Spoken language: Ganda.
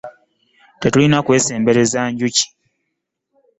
Tetulina kwesembereza njuki.